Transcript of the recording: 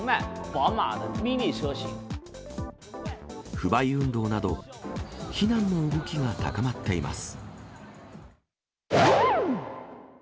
不買運動など、非難の動きが高まっています。